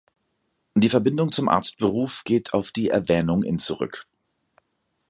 Die Verbindung zum Arztberuf geht auf die Erwähnung in zurück.